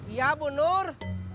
iya bu nur